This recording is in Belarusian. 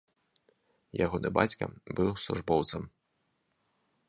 Ягоны бацька быў службоўцам.